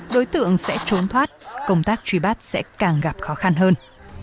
đối tượng sẽ trốn thoát công tác truy bắt sẽ càng gặp khó khăn hơn